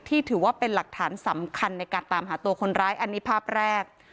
ถือว่าเป็นหลักฐานสำคัญในการตามหาตัวคนร้ายอันนี้ภาพแรก